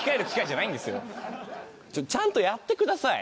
ちゃんとやってください！